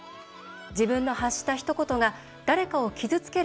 自分の発した、ひと言が誰かを傷つける